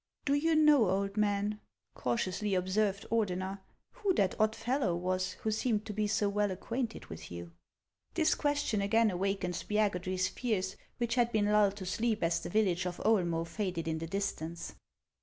" Do you know, old man," cautiously observed Ordener, " who that odd fellow was, who seemed to be so well acquainted with you ?" This question again awakened Spiagudry's fears, which 218 HANS OF ICELAND. had been lulled to sleep as the village of Oe'lmoe faded in the distance.